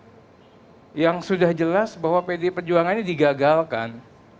padahal yang sudah jelas bahwa pdp perjuangan ini digagalkan